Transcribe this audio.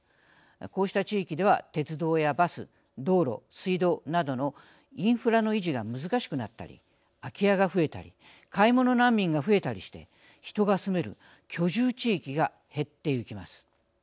こうした地域では鉄道やバス道路水道などのインフラの維持が難しくなったり空き家が増えたり買い物難民が増えたりして人が住める居住地域が減ってゆきます。